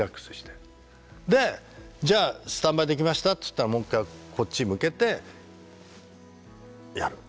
でじゃあスタンバイできましたっつったらもう一回こっち向けてやる。